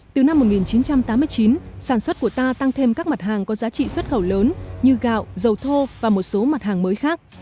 từ năm một nghìn chín trăm tám mươi chín sản xuất của ta tăng thêm các mặt hàng có giá trị xuất khẩu lớn như gạo dầu thô và một số mặt hàng mới khác